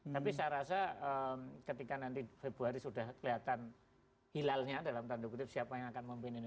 tapi saya rasa ketika nanti februari sudah kelihatan hilalnya dalam tanda kutip siapa yang akan memimpin ini